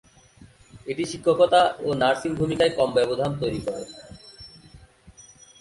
এটি শিক্ষকতা ও নার্সিং ভূমিকায় কম ব্যবধান তৈরি করে।